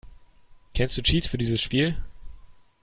Kennst du Cheats für dieses Spiel?